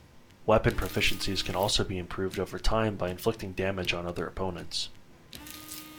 Weapon proficiencies can also be improved over time by inflicting damage on other opponents.